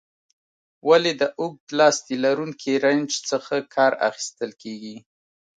ولې د اوږد لاستي لرونکي رنچ څخه کار اخیستل کیږي؟